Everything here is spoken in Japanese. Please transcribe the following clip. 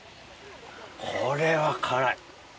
これは辛い。